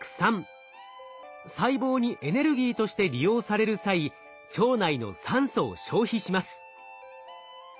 細胞にエネルギーとして利用される際腸内の酸素を消費します。